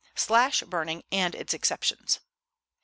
_Slash Burning and Its Exceptions.